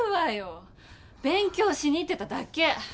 勉強しに行ってただけ。